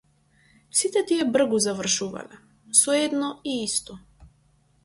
Сите тие бргу завршувале, со едно и исто.